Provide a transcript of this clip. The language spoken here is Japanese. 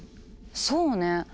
そうね。